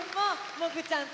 もぐちゃんも！